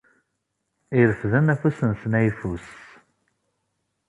Ireffden afus-nsen ayeffus.